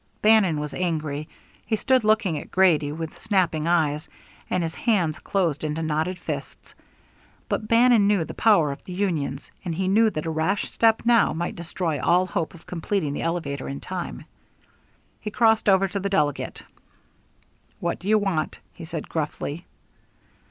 Bannon was angry. He stood looking at Grady with snapping eyes, and his hands closed into knotted fists. But Bannon knew the power of the unions, and he knew that a rash step now might destroy all hope of completing the elevator in time. He crossed over to the delegate. "What do you want?" he said gruffly.